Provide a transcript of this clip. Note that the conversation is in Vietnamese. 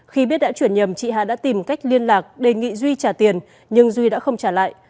khi biết đã chuyển nhầm chị hà đã tìm cách liên lạc đề nghị duy trả tiền nhưng duy đã không trả lại